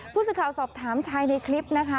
ผู้สื่อข่าวสอบถามชายในคลิปนะคะ